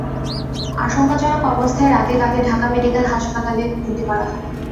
আশঙ্কাজনক অবস্থায় রাতেই তাদের ঢাকা মেডিকেল কলেজ হাসপাতালে ভর্তি করা হয়।